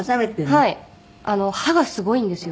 歯がすごいんですよ